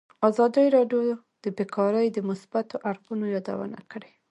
ازادي راډیو د بیکاري د مثبتو اړخونو یادونه کړې.